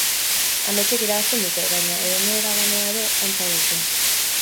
Ametsek irabazten dute, baina, edonora banoa ere, han zaude zu.